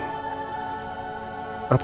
apa rena gak suka